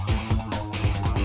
tidak ada yang bisa dikunci